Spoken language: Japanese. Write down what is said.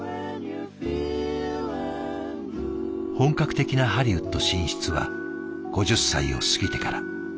本格的なハリウッド進出は５０歳を過ぎてから。